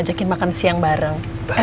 terus kita akan beri air ke teman mu